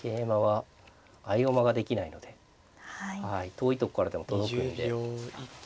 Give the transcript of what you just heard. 遠いとこからでも届くんで。